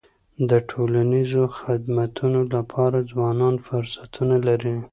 د ټولنیزو خدمتونو لپاره ځوانان فرصتونه لري.